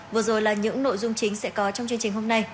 vừa rồi là những nội dung chính sẽ có trong chương trình hôm nay